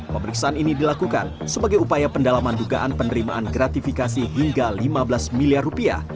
pemeriksaan ini dilakukan sebagai upaya pendalaman dugaan penerimaan gratifikasi hingga lima belas miliar rupiah